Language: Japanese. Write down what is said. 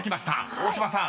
［大島さん